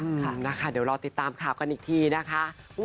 ค่ะนะคะเดี๋ยวรอติดตามข่าวกันอีกทีนะคะ